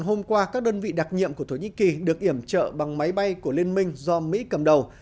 hôm qua các đơn vị đặc nhiệm của thổ nhĩ kỳ được iểm trợ bằng máy bay của liên minh do mỹ cầm đầu